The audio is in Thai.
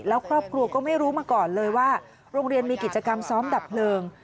แล้วครอบครัวก็ไม่รู้มาก่อนเลยว่าโรงเรียนมีกิจกรรมซ้อมดับเพลิง